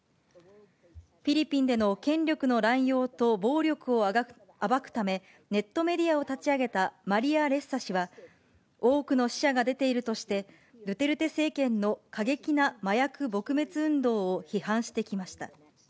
フィリピンでの権力の乱用と暴力を暴くため、ネットメディアを立ち上げたマリア・レッサ氏は、多くの死者が出ているとして、ドゥテルテ政権の過激な麻薬撲滅運動を批判してきました。